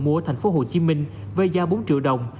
mua thành phố hồ chí minh với giá bốn triệu đồng